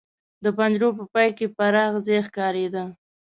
د پنجرو په پای کې پراخ ځای ښکارېده.